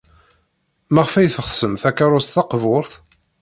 Maɣef ay teɣsem takeṛṛust taqburt?